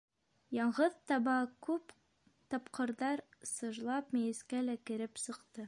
Яңғыҙ таба күп тапҡырҙар сыжлап мейескә лә кереп сыҡты.